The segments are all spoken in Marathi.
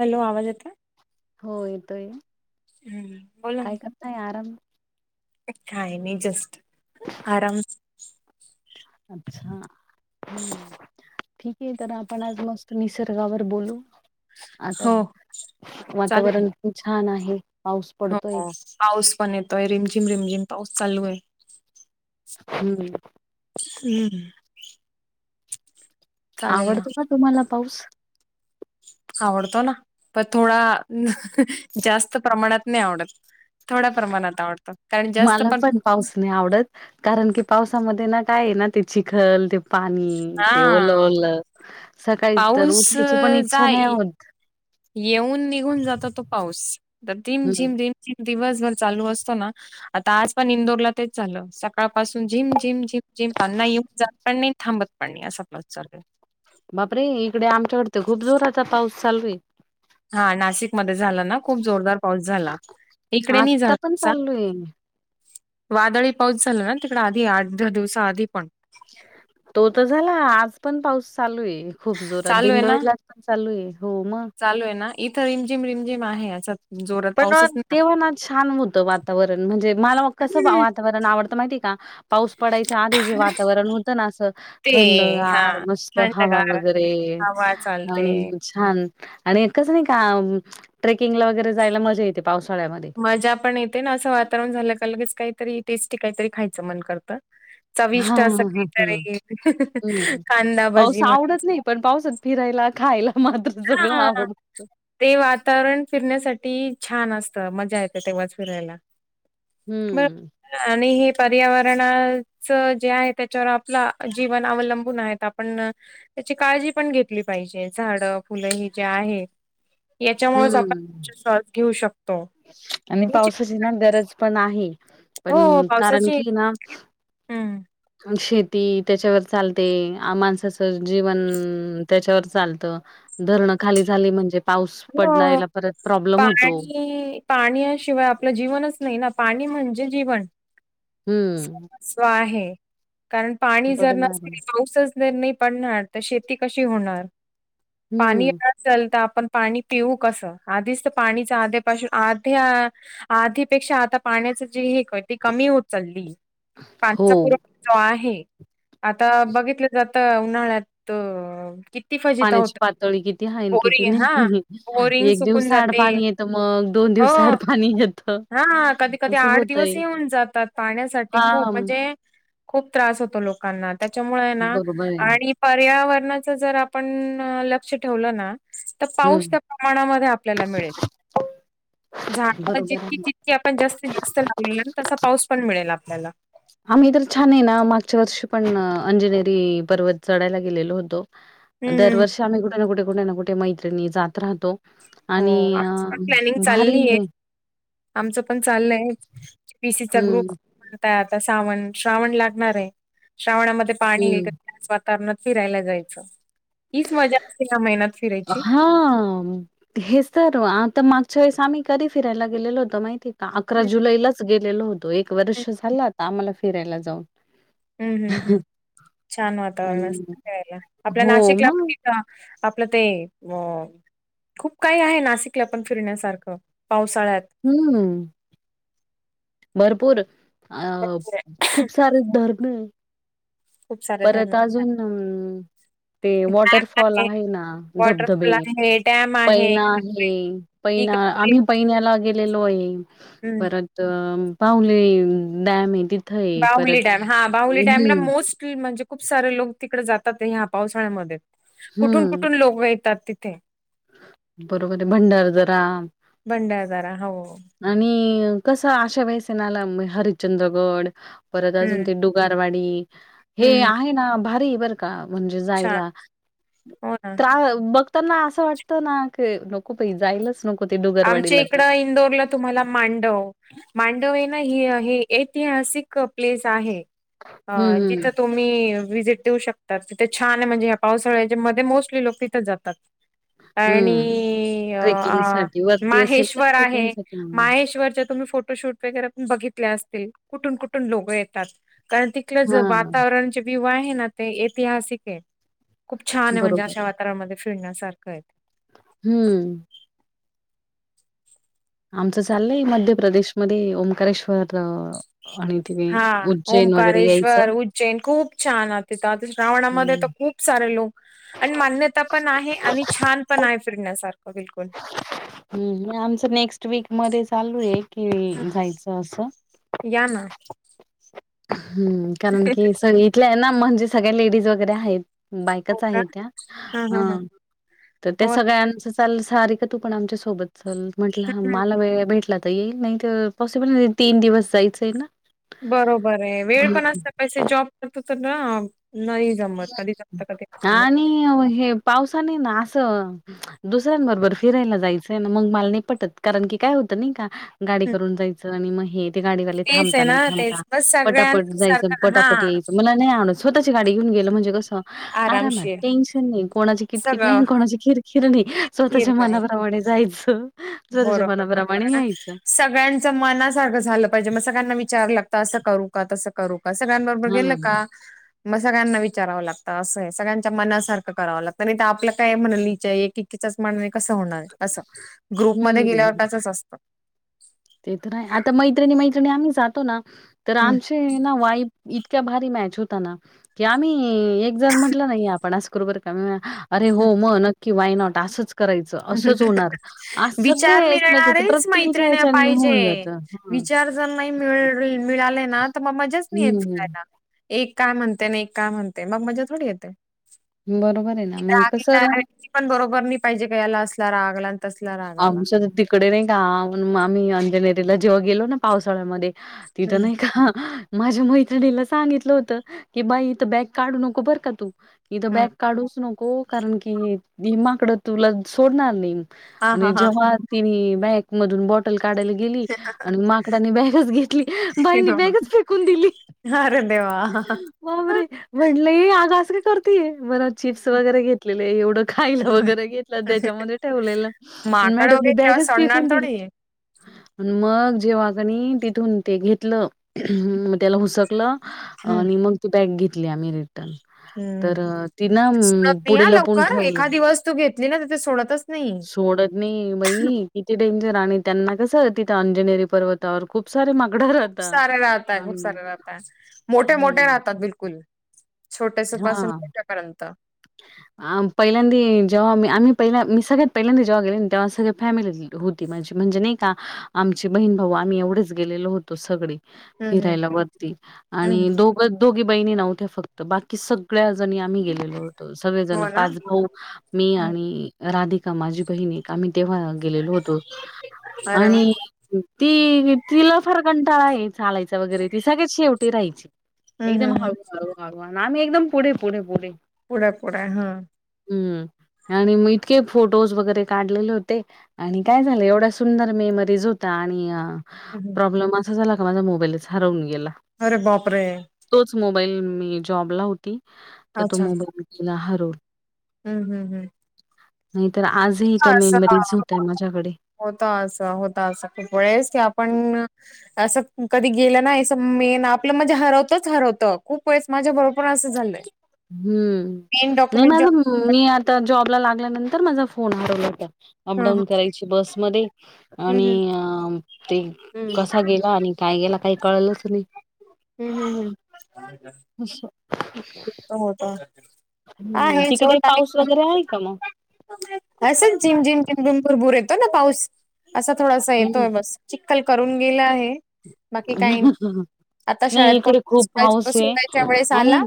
हॅलो आवाज येतोय. हो येतोय हम्म बोला काय ना करताय आराम. काय मी जस्ट आरामच. अच्छा हम. ठीक आहे तर आपण आज मस्त निसर्गावर बोलू. आता हो चालेल वातावरण खुप छान आहे. पाऊस हो पडतोय हो पाऊस पण येतोय रिमझिम रिमझिम पाऊस चालू आहे. हम्म हम्म. हम्म. चालेल ना आवडतो का तुम्हाला पाऊस. आवडतो ना पण थोडा जास्त प्रमाणात नाही आवडत. थोड्या प्रमाणात आवडतो कारण जास्त पण. पाऊस नाही आवडत कारण की पावसामध्ये ना काय आहे ना ते चीखल ते. पाणी ते ओलं हा ओलं सकाळी तर पाऊस उठायची पण इच्छा नाही जाई होत. येऊन निघून जातो तो पाऊस तर रिम हम्म. झिम रिम झिम दिवसभर चालू असतो ना. आता आज पण इंदोरला तेच झालं सकाळपासून झिम झिम झिम झिम त्यांना येऊन जात पण नाही. थांबत पण नाई असा पाऊस चालू आये. बाप रे इकडे आमच्याकडे तर खूप जोरात पाऊस चालू आहे. हा नाशिक मध्ये झाला ना खूप जोरदार पाऊस झाला इकडे नाही आत्ता झाला पण तसा. चालू आहे वादळी पाऊस झाला ना तिकडे आधी आठ दहा दिवसा आधी पण. तो तर झाला आज पण पाऊस चालू आहे खूप जोरात चालू आहे ना, दिंडोळीला पण चालू आहे हो मग. चालू आहे ना इथं रिमझिम रिमझिम आहे असं. पण तेव्हा ना छान होतं वातावरण म्हणजे मला कसं वातावरण. हम्म. वातावरण आवडत माहिती का पाऊस पडायच्या आधी जे वातावरण होतं ना असं. ते थंडगार हां. मस्त हवा वगैरे. चालतंय. आणि छान आणि कसं नाही का ट्रेकिंगला वगैरे जायला मजा येते पावसाळ्यामध्ये. मजा पण येते आणि असं वातावरण झालं का लगेच काहीतरी टेस्टी काहीतरी खायचं मन करतं. चविष्ट हां, असं हां, हां. हं. काहीतरी हं. पाऊस कांदाभजी मना. आवडत नाही, पण पाऊसात फिरायला खायला मात्र. सगळं हा. आवडतं. ते वातावरण फिरण्यासाठी छान असतं मजा येते तेव्हाच फिरायला. बर हम्म. आणि हे पर्यावरण च जे आहे त्याच्यावर आपलं जीवन अवलंबून आहे आप पण त्याची काळजी पण घेतली पाहिजे झाड. फुलं हे जे आहे याच्यामुळेच हं. आपण श्वास घेऊ शकतो. आणि याची- पावसाची ना गरज पण आहे. हो पण कारण पावसाची की ना. हम्म. शेती त्याच्यावर चालते आ माणसाचं जीवन त्याच्यावर चालतं. धरणं खाली झाली म्हणजे पाऊस हो. पडायला परत प्रॉब्लेम होतो. पाणी पाण्याशिवाय आपलं जीवनच नाही ना पाणी म्हणजे जीवन. हम्म. सो आहे कारण पाणी जर बरोबर आहे. नसतील पाऊसच. जर नाही पडणार तर शेती कशी होणार पाणी हम्म तर. चालतं आपण पाणी पिऊू कसं आधीच तर पाणीच आधीपासून आध्या. आधीपेक्षा आता पाण्याचं जी हे ती कमी होत चालली हो पाण्याचा पुरवठा. जो आहे आता बघितलं जातं उन्हाळ्यात किती. किती फजिती पाण्याची होते पातळी किती आहे आणि किती बोअरिंग हा नाही बोअरिंग एक सुकून दिवस आड जाते. पाणी येतं मग दोन हो दिवस आड पाणी येतं हा कधी कधी असं आठ होतय दिवस येऊन जातात. पाण्यासाठी हा खूप म्हणजे खूप त्रास होतो लोकांना त्याच्यामुळे ना बरोबर आहे आणि पर्यावरणाचं जर आपण लक्ष ठेवलं ना तर पाऊस हम्म त्या प्रमाणामध्ये आपल्याला मिळेल झाड ज बरोबर आहे की आपण जास्तीत जास्त लावलेल तसा पाऊस पण मिळेल आपल्याला. आम्ही तर छान आहे ना मागच्या वर्षी पण अंजनेरी पर्वत चढायला गेलेलो होतो. हं, हं. दरवर्षी आम्ही कुठे ना कुठे कुठे ना कुठे मैत्रिणी जात राहतो. हो आणि अ, आमच पण प्लॅनिंग भारी चाललीय. आहे. आमचं पण चाललंय पी सीचा ग्रुप. हं, आता श्रावण श्रावण लागणार आहे श्रावणामध्ये पाणी हं. वातावरणात फिरायला जायचं हीच मजा असते या महिन्यात. फिरायची. हा हेच तर आता मागच्या वेळेस आम्ही कधी फिरायला गेलेलो होतो माहितीये का? अकरा हं, हं. जुलैलाच गेलेलो होतो एक हं, वर्ष झाल आता आम्हाला फिरायला जाऊन. हम्म हम्म हम् छान वातावरण अस आणि वळेला आपल्या हो नाशिकला मग. पण आपलं ते अ खूप काही आहे नाशिकला पण फिरण्यासारखं पावसाळ्यात. हम्म भरपूर अ भरपूर आहे. खूप सारे धर्ण खूप सारे परत धरण अजून अ ते वॉटरफॉल आहे ना धबधबे वॉटरफॉल आहे, डॅम आहे, पैना हे इगतपुरी पैना इगतपुरी आम्ही पैण्याला गेलेलो आहे हं. परत तर पाहुले डॅम आहे तिथं आहे परत बाहुली डॅम हा बाहुली डॅमला हम्म मोस्ट म्हणजे खूप सारे लोक तिकडे जातात ह्या पावसाळ्यामध्ये. कुठून हम्म कुठून लोक येतात तिथे. बरोबर आहे भंडार दरा. भंडार दरा हो आणि कसा अशा वेळेला हरिश्चंद्रगड परत अजून हं, ते डु [unintelligible] रवाडी हे हं, आहे ना भारी बर म्हणजे छान. जायला हो ना. त्रा बघ त्यांना असं वाटतं ना क नको प जायलाच नको ते आमच्या डुगरवाडीला तर. [unintelligible] तुम्हाला मांडव मांडव ऐतिहास प्लेस आहे हम्म जिथ हम्म त विजिट देऊ शकता तिथे छान आहे म्हणजे ह्या पावसाळ्याच्या मध्ये मोस्टली लोक तिथे जातात. हम्म आणि ट्रेकिंगसाठी वरती असेल तर माहेश्वर आहे ट्रेकिंगसाठी म्हणा. माहेश माहेश्वर तुम्ही फोटोशूट पण बघितले असतील कुूठून कुठून लोक येतात कारण तिथलं हा वातावरण ते विव आहे ना ते ऐतिहासिक आहे खूप छान आहे म्हणजे बरोबर अशा वा मध्ये फिरण्यासारखं आहे. हम्म आमचं चाललंय मध्य प्रदेशमध्ये ओंकारेश्वर अ, आणि तिथे हा उज्जैन वगैरे यायचं ओंकारेश्वर उज्जैन खूप छान हो तीथ श्रावणामध्ये तर खूप खूप सारे लोक आणि मान्यता पण आहे आणि छान पण आहे फिरण्यासारखं बिलकुल. हम्म आमचं नेक्स्ट वीक मध्ये चालू आहे. कि जायचं असं. या ना हम्म कारण की सांगितल ना म्हणजे सगळ्या लेडीज वगैरे आहेत. हो बायकाच का आहे त्या हा अ हा हा तर त्या हो ते. सगळ्यांच चाल सारीका तू पण आमच्या सोबत चल म्हटलं हम्म, हम्म. मला वेळ भेटला आता येईल नाही तर पॉसिबल नाही तीन दिवस जायचंय ना. बरोबर आहे वेळ पण असत पैसे जॉब करतो तर ना नाही. जमत कधी जमतं कधी जमत. आणि हे पावसाने ना असं. दुसऱ्यांबरोबर फिरायला जायचंय ना मग मला नि पटत कारण की काय होतं नाही का. गाडी हम्म. करून जायचं आणि मग हे गाडीवाले थांब तेच आहे ना नाही थांबता तेच बस सगळ्यां पटापट जायच सारखं हा पटापट यायचं. नाही आणो स्वतःची गाडी घेन गेलं म्हणे कसं. आरामात आरामशीर टेन्शन नाही कोणाची किटकिट सगळं नाही कोणाची खिरखिर नाही स्थिर स्वतःच्या नाही मनाप्रमाणे जायच. बरोबर बरोबर आहे स. सगळ्यांच मनासारखं झालं पाहिजे मग सगळ्यांना विचार लागत असं करू. का तसं करू का सगळ्यांबरोबर हा गेलं का. [inaudible] मग सगळ्यांना विचारावं लागतं असं आहे सगळ्यांच्या मनासारखं करावं लागत नाही तर आपलं काय म्हणाि क म्हण कसं होणार असं ग्रुप मध्ये हम्म गेल्यावरच असतं. ते तर नाही आता मैत्रिणी मैत्रिणी आम्ही जातो ना तर हम्म, आमचे ना वाईफ इतक. इत भारी मॅच होता ना कि आम्ही एक जण म्हटलं नाही आपण आ कररोबर का. अरे हो मग नक्की वायनॉट असंच. करायचं हम्म. असंच होणार अस सगळे विचार एकमेकीच मिळणारेच प्रत्येक मैत्रिण्या पाहिजे विचार जर नाही मि मिळाले ना तर मग मजाच नाहीच हम्म कयला. एक काय म्हणते ना एक काय म्हणते मग मजा थोडी येते. बरोबर आहे ना मग राग कसं ये पण बरोबर नाही पाहिजे का याला असला रागला आमच्या तिकडे नाही का आम्ही अंजनेरीला जेव्हा गेलो ना पावसाळ्यामध्ये. तिथं हम्म नाही का? माझ्या मैत्रिणीला सांगितलं होत की बाईथं बॅग काढू नको बर का तू. इथ हम्म बॅग काढूच नको कारण कि भिमाकड तुला सोडणार नाही. हा आणि हा हा. जेव्हा तिने बॅक मधून बॉटल काढाला. गेली आणि माकडानी बॅगच घेतली बाईनी बॅगच फेकून दिली. वा! बाबरे म्हंटलं ये आगास का करतेय मला चिप्स वगैरे घेत. घले एवढं खायलं वगैरे घेतलं त्याच्यामध्ये ठेवलेलं. माकड मॅडम मी वगैरे केव्हा बॅगच सोडणार बीकून दिली. थोडी आहे. आणि मग जेव्हा कणी तिथून ते घेतलं मग त्याला हुसकलं. आणि मग तू पॅक घेतली आम्ही रिटर्न. तर हम्म ती ना पुढला पण ठेवलं मग. तू घेतली ना तिथे सोडतच नाही. सोडत नाही बाई किती डेंजर आणि त्यांना कसं तिथं अंजनेरी पर्वत. खूप सारे राहतय खूप आणि सारे राहतय मोठे मोठे हं, राहतात बिलकुल. छोट्यासपासून मोट्यापर्यंत. [inaudible] पहिल्यांदा जेव्हा मी आम्ही पहिला मी सगळ्यात पहिल्यांदा जेव्हा गेले तेव्हा सगळ्या फॅमिलीत हो माझी म्हणजे नाही का आमची बहीण भाऊ आम्ही एवढेच गेलेलो होतो सगळे. हम्म हम्म. फिरायला वरती हम्म आणि दघ दोघी बहिणी नव्हत्या फक्त बाकी सग. सगळ्या जणी आम्ही गेलेलो होतो सगळेजण हो ना पाच भाऊ. मी हं. आणि राधिका माझी बहिणी आम्ही तेव्हा. गेल होतो अरे वा आणि ती तिला फार कंटाळा आहे चालायच. वगैरे त सगळेच शेवटी राहायची हम्म हम्म एकदम हम्म हळू हळू हळू. म् एकदम पुढे पुढे पुढे. पुोडा पोडा हा. हम्म आणि मग इतके फोटोज वगैरे काढलेले होते. आणि काय झालं एवढा सुंदर मेमरीज होता आणि प्रॉब्लेम असा झाला का माझा मोबाईलच हरवून गेला अरे बाप रे! तोच मोबाईल मी जॉबला होती तर तो मोबाईलला हरव.. हम् हम हम् नाहीतर आजही त्या मेमरीज होतय माझ्याकडे. होत असं, होत असं खूप वेळेस की आपण, असं कधी गेलं नाही असं मेन आपलं म्हणजे हरवतच हरवतं खूप वेळेस माझ्या बरोबर असं झालंय. मेन हम्म नाही डॉक्युमेंट जे माझ मी आता जॉबला लागल्यानंतर माझा फोन हरवला होता. हं हं अपडाऊन करायचे बसमध्ये आणि हं ते हं कसा गेला आणि काय गेला काही कळलंच नाही. हम्म हम् हम् अचछा [unintelligible] हो हो का ह्. तिकडे पाऊस वगैरे आहे का? मग असंच झिम झिम झिमझम भूर बूर येतो ना पाऊस असा थोडासा हं. येतोय बस चिक्कल करून गेलं आहे. बाकी काही नाही आता नाही शाळेत प इकडे खूप पाऊस आहे [unintelligible] वेळेस आणि आला.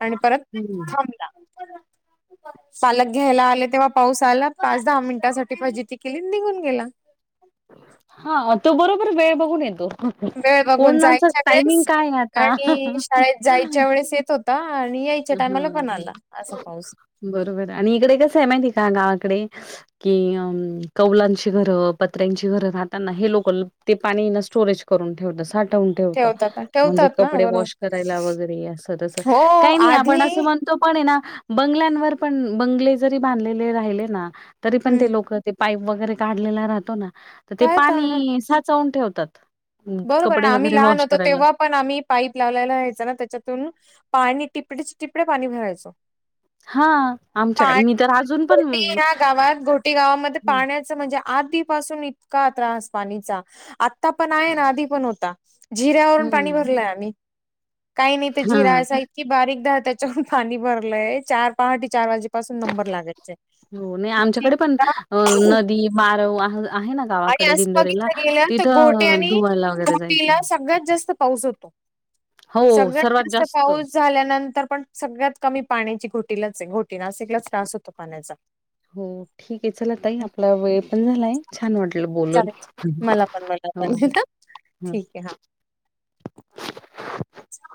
आणि परत हम्म. थांबला. [inaudible] पालक घ्यायला आले तेव्हा पाऊस आला पाच दहा मिनिटासाठी फजिती केली निघून गेला. हा तो बरोबर वेळ बघून येतो. वेळ बघून कोणाचं जायच्या टायमिंग वेळेस काय आहे आता आणि शाळेत जायच्या वेळेस येतो. [unintelligible] आणि यायच्या टायमाला हा पण आला असा पाऊस. बरोबर आणि इकडे कस आहे माहिती आहे का गावाकडे. कि, अं कौलांची घर पत्र्यांची, घरं राहताना हे लोक ते पाणी न स्टोरेज करून ठेवता सा ठवून ठेवता. ठेवतात म्हणजे ठेवतात ना कपडे बरोबर वॉश करायला वगैरे अस तस हो काय नाही आधी आपण अस म्हण तो पण ए ना बंगल्यांवर पण बंगले जरी बांधलेले राहिले ना तरी पण हम्म ते लोक ते पाईप वगैरे काढलेला राहतो ना तर ते काय ह पाणी साचवून ठेवतात. अं, बरोबर कपडे ना आम्ही वगैरे लहान वॉश होतो करायला तेव्हा, पण आम्ही पाईप लावलेला रायायच ना त्याच्यातून पाणी टिपडी चे टिपडे पाणी भरायचो. हा आमच्याकडे मी [unintelligible] तर अजून पण घोटी ह्या गावात घोटी गावामध्ये हम्म पाण्या [inaudible] आधीपासून इतका त्रास पाणीचा आत्ता पण नाही ना आधी पण होता झीऱ्यावरून पाणी हम्म भरलंय आम्ही काही नाही तर जिरा- हां कि बारीकधार त्याच्यावरून पाणी भरलंय. चार पहाटे चार वाजेपासून नंबर लागायचा. हो नाही आमच्याकडे पण नदी, मारव आहे ना गावाकडे दिंडोरीला तिथं [unintelligible] धुवायला वगैरे घोटी जायचं ला सगळ्यात जास्त पाऊस होतो. हो सगळ्यात सर्वात जास्त पाऊस झाल्यानंतर पण सगळ्यात कमी पाण्याची [unintelligible] घोटीलाच घोटीना अस एकलाच त्रास होतो पाण्याचा हो ठीक आहे. चला ताई आपला वेळ पण झालाय छान वाटलं बोलून, चालेल मला हो हो. [unintelligible] ठीक आहे हा हा.